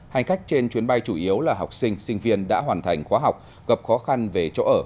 hành khách trên chuyến bay chủ yếu là học sinh sinh viên đã hoàn thành khóa học gặp khó khăn về chỗ ở